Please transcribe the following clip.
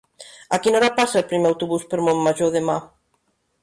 A quina hora passa el primer autobús per Montmajor demà?